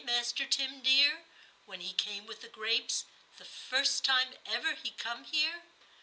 Master Tim dear, when he came with the grapes, the first time ever he come here